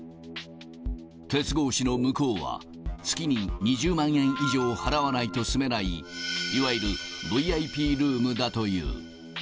鉄格子の向こうは、月に２０万円以上払わないと住めない、いわゆるＶＩＰルームだという。